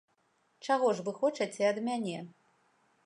Чаго ж вы хочаце ад мяне?